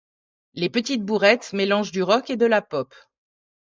Les Petites Bourrettes mélangent du rock et de la pop.